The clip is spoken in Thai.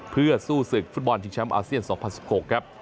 เพื่อสู้ศึกฟุตบอลชิงแชมป์อาเซียน๒๐๑๖ครับ